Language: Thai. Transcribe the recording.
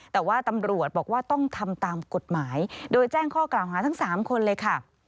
แต่ว่าตำรวจบอกว่าต้องทำตามกฎหมายโดยแจ้งข้อกล่าวหาทั้ง๓คนเลยค่ะ